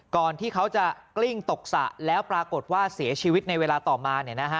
ก่อนที่เขาจะกลิ้งตกสระแล้วปรากฏว่าเสียชีวิตในเวลาต่อมา